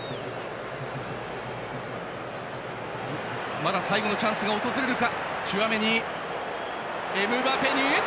まだ最後のチャンスが訪れるか。